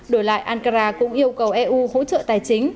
đổi lại ankara cũng yêu cầu eu hỗ trợ tài chính